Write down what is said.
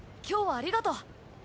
今日はありがとう。